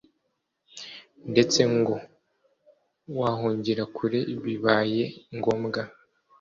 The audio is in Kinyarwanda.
ndetse ngo wahungira kure bibaye ngombwa